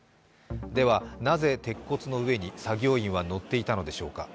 ではなぜ、鉄骨の上に作業員は乗っていたのでしょうか。